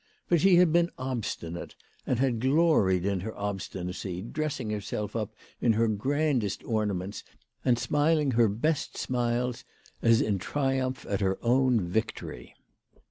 But she had been ob stinate, and had gloried in her obstinacy, dressing her self up in her grandest ornaments and smiling her best smiles, as in triumph at her own victory.